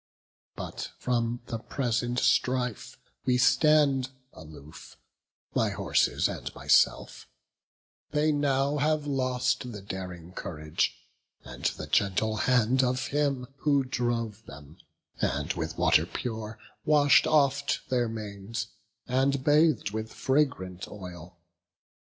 But from the present strife we stand aloof, My horses and myself; they now have lost The daring courage and the gentle hand Of him who drove them, and with water pure Wash'd oft their manes, and bath'd with fragrant oil.